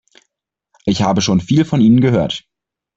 Ich habe schon viel von Ihnen gehört.